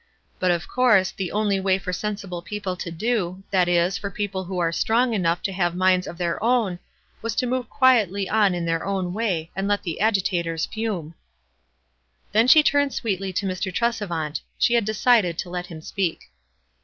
But, of course, the only way for sensible people to do, that is, for people w 7 ho were strong enough to have minds of their own, was to move quietly on in their own way, and let the agitators fume." Then she turned sweetly to Mr. Tresevant. She had decided to let him speak.